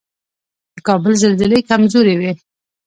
د کابل زلزلې کمزورې وي